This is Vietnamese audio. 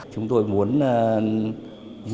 chúng tôi muốn nâng cao mức độ cảnh giác